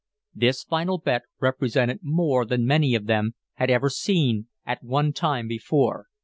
This final bet represented more than many of them had ever seen a one time before.